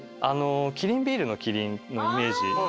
キリンビールの麒麟のイメージです。